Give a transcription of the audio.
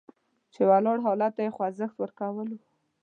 چې ولاړ حالت ته یې خوځښت ورکول وو.